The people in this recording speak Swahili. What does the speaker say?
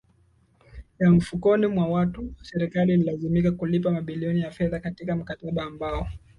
ya mfukoni mwa watu huku Serikali ikilazimika kulipa mabilioni ya fedha katika mkataba ambao